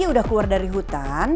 udah keluar dari hutan